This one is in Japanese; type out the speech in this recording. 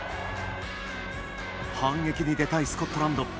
反撃に出たいスコットランド。